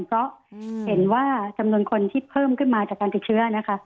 เพราะเห็นว่าจำนวนคนที่เพิ่มขึ้นมาจากการติดเชื้อนะคะ